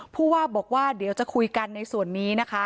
ผู้ว่าบอกว่าเดี๋ยวจะคุยกันในส่วนนี้นะคะ